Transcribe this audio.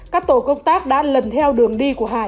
các tổ công tác đã lần theo đường đi của hải